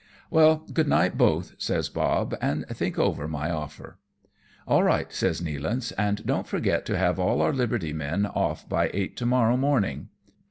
" Well, good night, both/' says Bob, " and think over my offer." "All right/' says Nealance, "and don't forget to have all our liberty men off by eight to morrow morn ing."